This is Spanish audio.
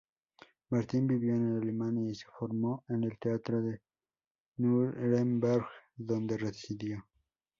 Martin vivió en Alemania y se formó en el teatro de Nuremberg donde residió.